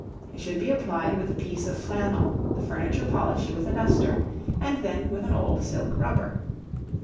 It should be applied with a piece of flannel, the furniture polished with a duster, and then with an old silk rubber.